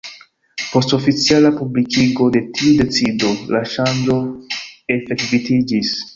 Post oficiala publikigo de tiu decido la ŝanĝo efektiviĝis.